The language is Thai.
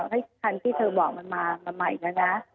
ให้คันที่เธอบอกมันมาใหม่แล้วนะ